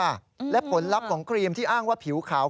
มันแตกแบบนี้ค่ะ